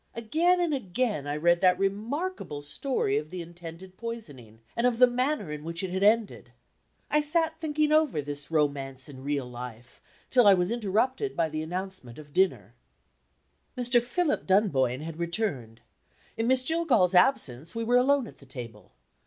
Again and again, I read that remarkable story of the intended poisoning, and of the manner in which it had ended. I sat thinking over this romance in real life till I was interrupted by the announcement of dinner. Mr. Philip Dunboyne had returned. In Miss Jillgall's absence we were alone at the table.